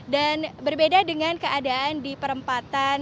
dan berbeda dengan keadaan di perempatan